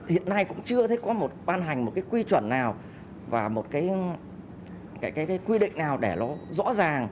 hiện nay cũng chưa thấy có ban hành một quy chuẩn nào và một quy định nào để nó rõ ràng